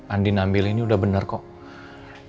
andin ambil ini udah bener kok